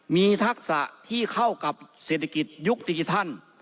มีทักษะที่เข้ากับเศรษฐกิจยุคดิจิทัล